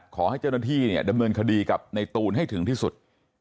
ขอให้เจ้าหน้าที่เนี่ยดำเนินคดีกับในตูนให้ถึงที่สุด